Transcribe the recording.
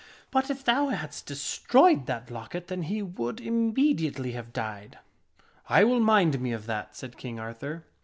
But if thou hadst destroyed that locket, then he would immediately have died." 44 1 will mind me of that," said King Arthur.